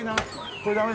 これダメだ。